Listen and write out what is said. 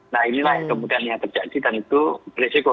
nah inilah yang kemudian yang terjadi dan itu berisiko